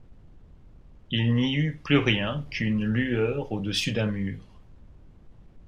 Il n’y eut plus rien qu’une lueur au-dessus d’un mur.